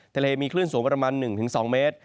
ทะเลมีคลื่นสูงประมาณ๑๒เมตร